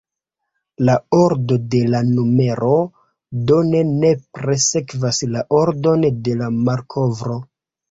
La ordo de la numero do ne nepre sekvas la ordon de la malkovro.